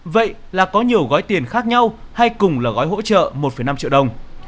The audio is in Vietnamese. vậy là có nhiều gói tiền khác nhau hay cùng là gói hỗ trợ một năm triệu đồng